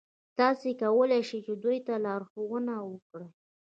تاسې کولای شئ چې دوی ته لارښوونه وکړئ.